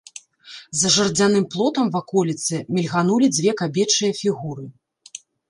За жардзяным плотам ваколіцы мільганулі дзве кабечыя фігуры.